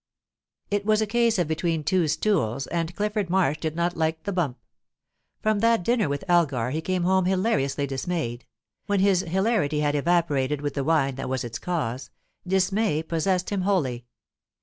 It was a case of between two stools, and Clifford Marsh did not like the bump. From that dinner with Elgar he came home hilariously dismayed; when his hilarity had evaporated with the wine that was its cause, dismay possessed him wholly.